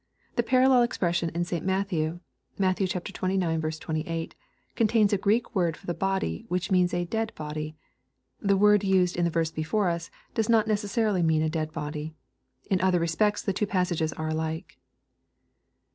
The parallel expression in St. Matthew, (Matt. xxiv. 28,) contains a Q reek word for the body, which means a " dead body." The word used in the verse before us, does not necessarily mean a dead body. In other respects the two passages are alike.